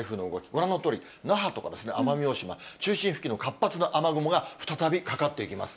ご覧のとおり、那覇とか奄美大島、中心付近の活発な雨雲が再びかかっていきます。